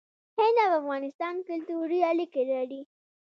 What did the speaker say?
هند او افغانستان کلتوري اړیکې لري.